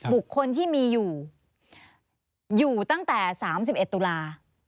บุคคลที่มีอยู่อยู่ตั้งแต่๓๑ตุลา